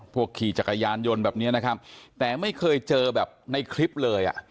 ขี่จักรยานยนต์แบบนี้นะครับแต่ไม่เคยเจอแบบในคลิปเลยอ่ะ